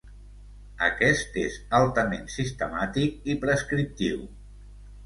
Aquest és altament sistemàtic i prescriptiu.